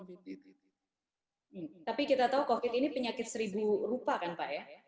tapi kita tahu covid ini penyakit seribu rupa kan pak ya